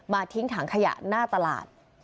ทิ้งถังขยะหน้าตลาด